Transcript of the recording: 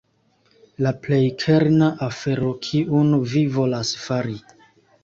La plej kerna afero kiun vi volas fari.